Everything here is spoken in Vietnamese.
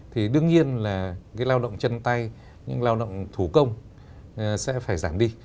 thì đương nhiên là cái lao động chân tay những lao động thủ công sẽ phải giảm đi